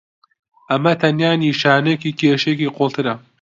ئەمە تەنیا نیشانەیەکی کێشەیەکی قوڵترە.